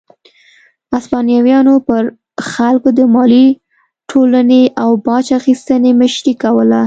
هسپانویانو پر خلکو د مالیې ټولونې او باج اخیستنې مشري کوله.